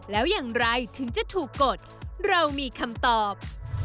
แล้วอย่างไรถึงจะถูกกดเรามีคำตอบ